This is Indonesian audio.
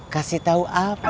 kasih tahu apa